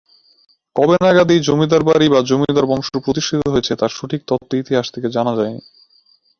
কবে নাগাদ এই জমিদার বাড়ি বা জমিদার বংশ প্রতিষ্ঠিত হয়েছে তার সঠিক তথ্য ইতিহাস থেকে জানা যায়নি।